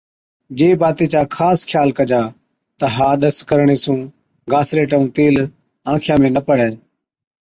جي باتي چا خاص خيال ڪجا تہ ها ڏس ڪرڻي سُون گاسليٽ ائُون تيل آنکِيان ۾ نہ پڙَي۔